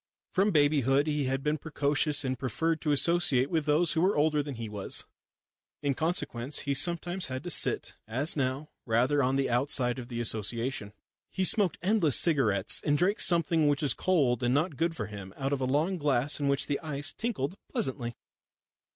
From babyhood he had been precocious and preferred to associate with those who were older than he was. In consequence he sometimes had to sit, as now, rather on the outside of the association. He smoked endless cigarettes and drank something which was cold and not good for him out of a long glass in which the ice tinkled pleasantly.